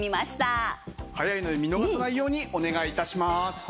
速いので見逃さないようにお願い致します。